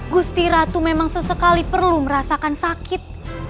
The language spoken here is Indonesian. gusti ratu memang sesekali perlu merasakan sakit